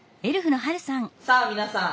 さあ皆さん